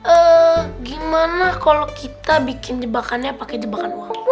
eee gimana kalo kita bikin jebakannya pake jebakan uang